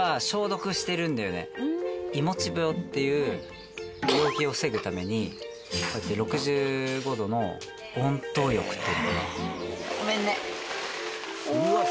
いもち病っていう病気を防ぐために６５℃の温湯浴っていうのかな。